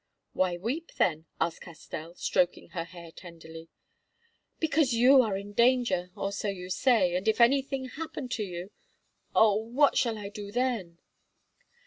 "Why weep then?" asked Castell, stroking her hair tenderly. "Because you are in danger, or so you say, and if anything happened to you—oh! what shall I do then?"